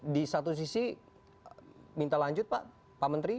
di satu sisi minta lanjut pak menteri